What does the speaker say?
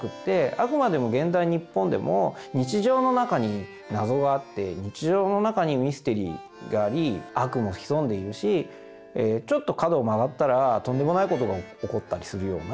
あくまでも現代日本でも日常の中に謎があって日常の中にミステリーがあり悪も潜んでいるしちょっと角を曲がったらとんでもないことが起こったりするような。